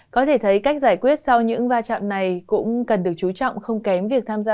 có thể thấy cách giải quyết sau những va chạm này cũng cần được chú trọng không kém việc tham gia